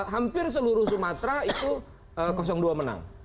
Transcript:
hampir seluruh sumatera itu dua menang